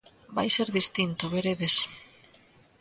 Vai ser distinto, veredes.